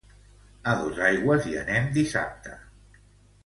A Dosaigües hi anem dissabte.